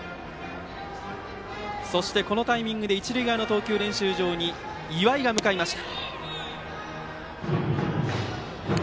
このタイミングで一塁側の投球練習場に岩井が向かいました。